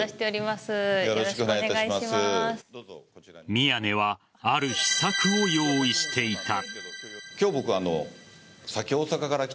宮根はある秘策を用意していた。